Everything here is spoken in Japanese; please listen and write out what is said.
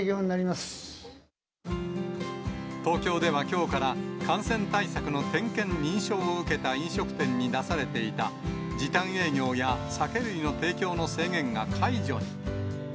東京ではきょうから、感染対策の点検、認証を受けた飲食店に出されていた、時短営業や酒類の提供の制限が解除に。